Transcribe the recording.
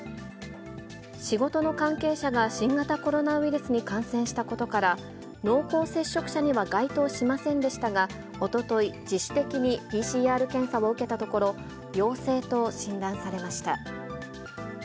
仕事の関係者が新型コロナウイルスに感染したことから、濃厚接触者には該当しませんでしたが、おととい、自主的にＰＣＲ検査を受けたところ、陽性と診断されました。